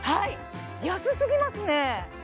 安すぎますねはい！